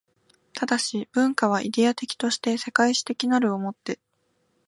但、文化はイデヤ的として世界史的なるを以て